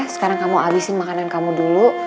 sekarang kamu habisin makanan kamu dulu